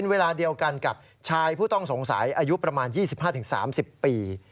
เวลาเดียวกันกับชายผู้ต้องสงสัยอายุประมาณ๒๕๓๐ปี